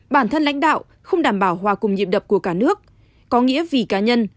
bản thân lãnh đạo không đảm bảo hòa cùng nhịp đập của cả nước có nghĩa vì cá nhân